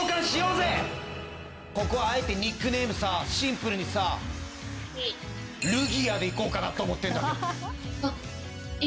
ここはあえてニックネームシンプルにさルギアでいこうかなと思ってんだけど。